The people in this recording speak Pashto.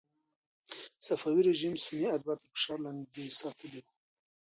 صفوي رژیم سني اتباع تر فشار لاندې ساتلي ول.